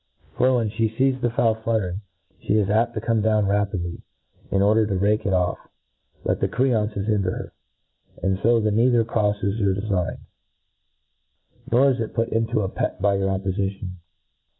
For when (he fees the fowl fluttering, Ihe is apt to come down rapidly, in order to rake it off, but the creances hinder her : And fo flie neither croiTes your defign, nor is put into a pet by your oppofition.